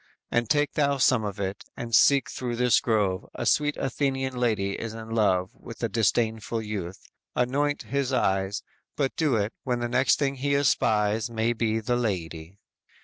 And take thou some of it, and seek through this grove; A sweet Athenian lady is in love With a disdainful youth; anoint his eyes; But do it, when the next thing he espies May be the lady."